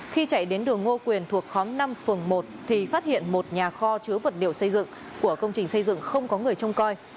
khi chạy đến đường ngô quyền thuộc khóm năm phường một thì phát hiện một nhà kho chứa vật liệu xây dựng của công trình xây dựng không có người trông coi